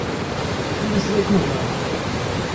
Eu ainda serei como agora